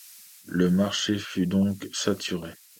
Le marché fut donc saturé.